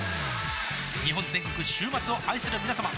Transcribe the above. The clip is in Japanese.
日本全国週末を愛するみなさま